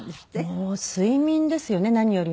もう睡眠ですよね何よりも。